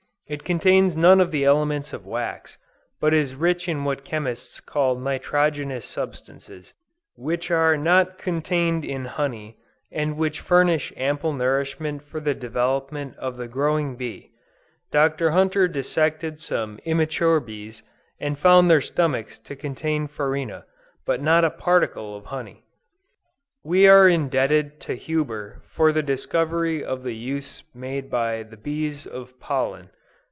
It contains none of the elements of wax, but is rich in what chemists call nitrogenous substances, which are not contained in honey, and which furnish ample nourishment for the development of the growing bee. Dr. Hunter dissected some immature bees, and found their stomachs to contain farina, but not a particle of honey. We are indebted to Huber for the discovery of the use made by the bees of pollen.